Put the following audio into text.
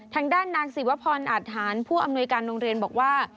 ทางด้านนางศิวพรอาทหารผู้อำนวยการโรงเรียนบอกว่า